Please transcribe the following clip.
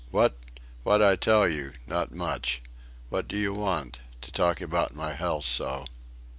"What?... What I tell you... not much. What do you want... to talk about my health so..."